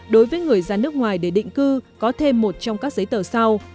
đối với người ra nước ngoài để định cư có thêm một trong các giấy tờ sau